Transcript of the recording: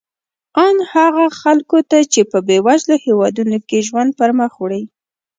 ان هغو خلکو ته چې په بېوزلو هېوادونو کې ژوند پرمخ وړي.